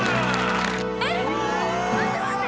えっ⁉待って待って。